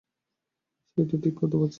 সেইটে ঠিক করতে পারছি নে।